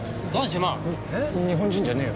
日本人じゃねえや。